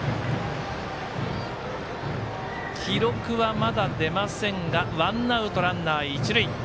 記録はまだ出ませんがワンアウト、ランナー、一塁。